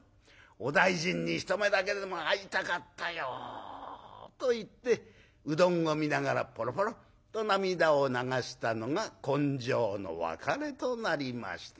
お大尽に一目だけでも会いたかったよと言ってうどんを見ながらポロポロッと涙を流したのが今生の別れとなりました』